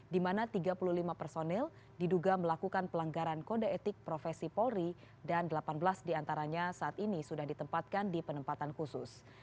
di mana tiga puluh lima personil diduga melakukan pelanggaran kode etik profesi polri dan delapan belas diantaranya saat ini sudah ditempatkan di penempatan khusus